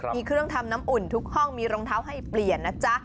มีเครื่องทำน้ำอุ่นทุกห้องมีรองเท้าให้เปลี่ยนนะจ๊ะ